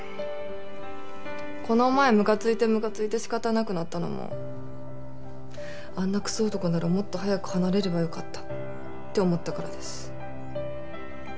この前むかついてむかついて仕方なくなったのもあんなクソ男ならもっと早く離れればよかったって思ったからです。